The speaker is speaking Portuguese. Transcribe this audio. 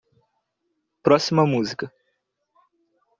Próxima música.